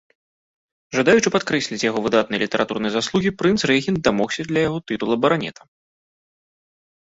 Жадаючы падкрэсліць яго выдатныя літаратурныя заслугі, прынц-рэгент дамогся для яго тытула баранета.